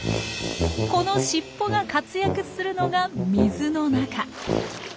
この尻尾が活躍するのが水の中。